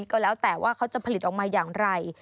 ก็แล้วแต่ว่าเขาจะผลิตออกมาอย่างไร